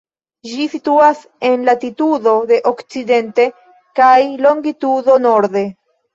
Ĝi situas en latitudo de okcidente kaj longitudo norde.